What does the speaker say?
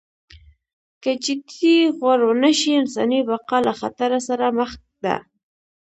که جدي غور ونشي انساني بقا له خطر سره مخ ده.